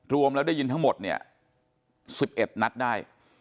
รวมแล้วได้ยินทั้งหมด๑๑นัทได้